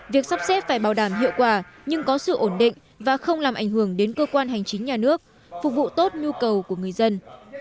việc sắp xếp phải bảo đảm hiệu quả nhưng có sự ổn định và không làm ảnh hưởng đến cơ quan hành chính nhà nước phục vụ tốt nhu cầu của người dân